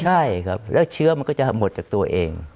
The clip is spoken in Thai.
ใช่ครับแล้วเชื้อมันก็จะหมดจากตัวเอง